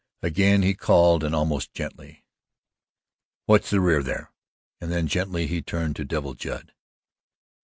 Again he called and almost gently: "Watch the rear, there," and then gently he turned to Devil Judd.